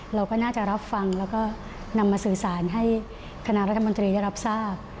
เราก็น่าจะรับฟังแล้วก็นำมาสื่อสารให้คณะรัฐมนตรีได้รับทราบ